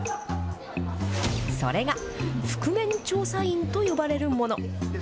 それが覆面調査員と呼ばれるもの。